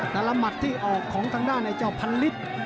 หมัดที่ออกของทางด้านไอ้เจ้าพันลิศ